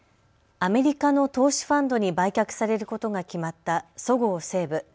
アメリカの投資ファンドに売却されることが決まったそごう・西武。